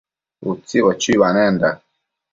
Utsibo chuibanenda